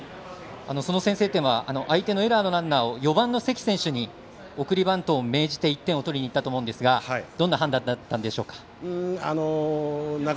その先制点は相手のエラーのランナーを４番の関選手に送りバントを命じて１点を取りにいったと思いますがどんな判断だったんでしょうか？